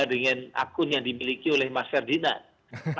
dengan akun yang dimiliki oleh mas ferdinand